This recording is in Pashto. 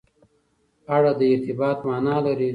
اړه د ارتباط معنا لري.